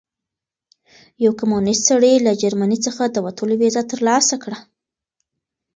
یو کمونیست سړي له جرمني څخه د وتلو ویزه ترلاسه کړه.